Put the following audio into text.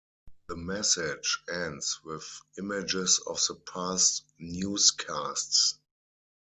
The message ends with images of the past newscasts.